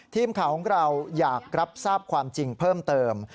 ทีมข่าวของเราอยากรับทราบความจริงเพิ่มเติม